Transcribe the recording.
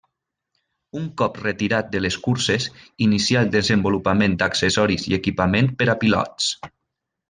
Un cop retirat de les curses, inicià el desenvolupament d'accessoris i equipament per a pilots.